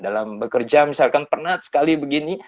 dalam bekerja misalkan penat sekali begini